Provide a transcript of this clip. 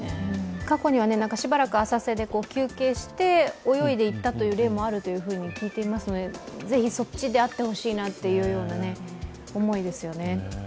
過去にはしばらく浅瀬で休憩して、泳いでいったという例もあるというふうに聞いていますのでぜひそっちであってほしいなというような思いですよね。